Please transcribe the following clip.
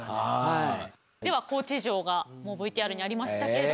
では高知城がもうＶＴＲにありましたけど。